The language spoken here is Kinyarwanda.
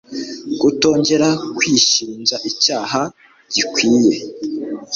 kutongera kwishinja icyaha gikwiye